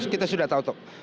kita sudah tahu